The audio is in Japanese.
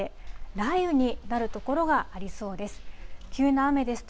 雷雨になる所がありそうです。